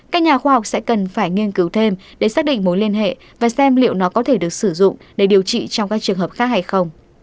các nhà khoa học sẽ cần phải nghiên cứu thêm để xác định mối liên hệ và xem liệu nó có thể được sử dụng để điều trị trong các trường hợp khác hay không